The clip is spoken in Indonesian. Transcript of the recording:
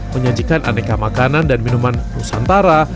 menyajikan aneka makanan dan minuman nusantara